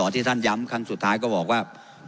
ที่ท่านย้ำครั้งสุดท้ายก็บอกว่า